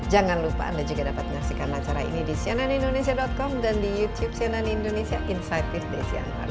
jangan lupa anda juga dapat menyaksikan acara ini di cnnindonesia com dan di youtube cnn indonesia insight with desi anwar